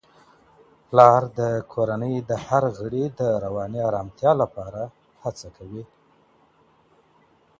پلار د کورنی د هر غړي د رواني ارامتیا لپاره هڅه کوي.